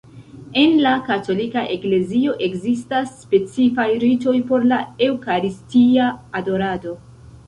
En la Katolika Eklezio ekzistas specifaj ritoj por la Eŭkaristia adorado.